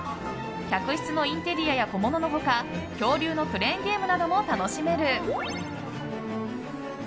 客室のインテリアや小物の他恐竜のクレーンゲームなども楽しめる。